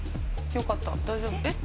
よかった大丈夫。